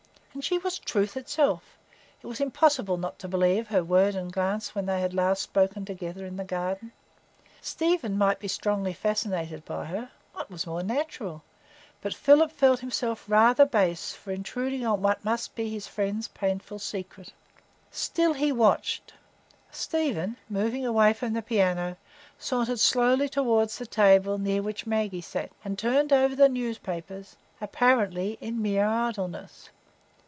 And she was truth itself; it was impossible not to believe her word and glance when they had last spoken together in the garden. Stephen might be strongly fascinated by her (what was more natural?), but Philip felt himself rather base for intruding on what must be his friend's painful secret. Still he watched. Stephen, moving away from the piano, sauntered slowly toward the table near which Maggie sat, and turned over the newspapers, apparently in mere idleness.